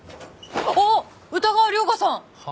あっ歌川涼牙さん！は？